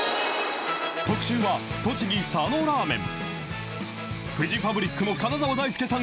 特集は、栃木、佐野らーめん。